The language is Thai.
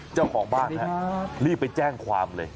เจ้าของบ้านรีบไปแจ้งความเลย